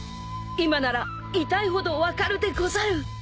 ［今なら痛いほど分かるでござる］